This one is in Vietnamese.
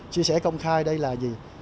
chia sẻ công khai đây là gì